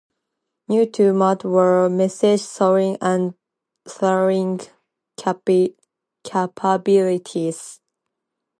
New to Mutt were message scoring and threading capabilities.